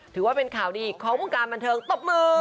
ถือว่าเป็นข่าวดีของวงการบันเทิงตบมือ